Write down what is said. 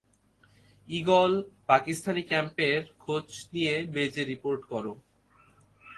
Eagle, Pakistani ক্যাম্পের খোজ নিয়ে বেজে রিপোর্ট করো।